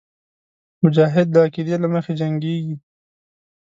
مجاهد د عقیدې له مخې جنګېږي.